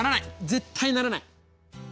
絶対ならない。